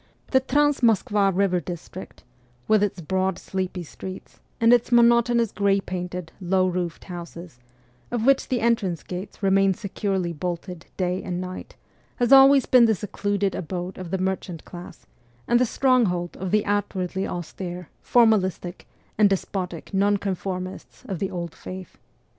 The Trans Moskva River district, with its broad, sleepy streets and its monotonous gray painted, low roofed houses, of which the entrance gates remain securely bolted day and night, has always been the secluded abode of the merchant class, and the stronghold of the outwardly austere, formalistic, and despotic Nonconformists of the ' Old Faith.'